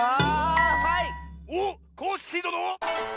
おっコッシーどの！